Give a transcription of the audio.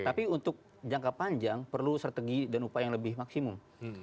tapi untuk jangka panjang perlu strategi dan upaya yang lebih maksimum